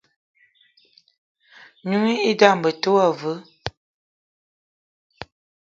N'noung idame a te wo veu.